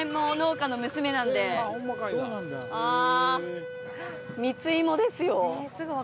あ蜜芋ですよ